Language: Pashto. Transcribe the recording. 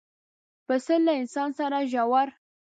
پسه له انسان سره ژور